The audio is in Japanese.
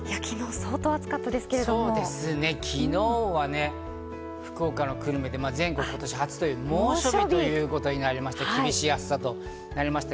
そうですね、昨日は福岡の久留米で全国で今年初という猛暑日ということになりまして、厳しい暑さとなりました。